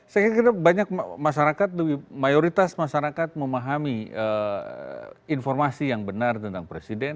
saya kira banyak masyarakat lebih mayoritas masyarakat memahami informasi yang benar tentang presiden